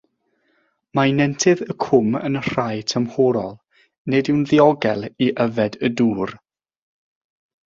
Mae nentydd y cwm yn rhai tymhorol, nid yw'n ddiogel i yfed y dŵr.